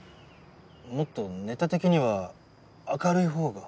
もっとネタ的には明るいほうが。